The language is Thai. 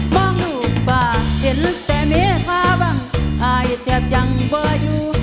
มองลูกป่าเจ้าแต่มีข้าวฟังอายเต็บจังบ่อยู่